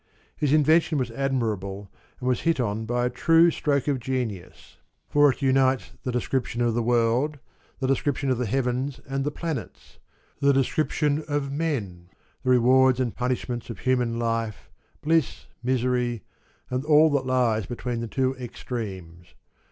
His invention was admirable and was hit on by a true stroke of genius; for it unites 135 the description of the world, the description of the heavens and the planets, the description of men, the rewards and punishments of human life, bliss, misery and all that lies between the two extremes.